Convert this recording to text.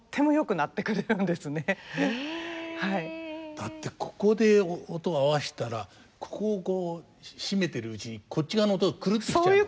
だってここで音を合わしたらここをこう締めているうちにこっち側の音狂ってきちゃうのね。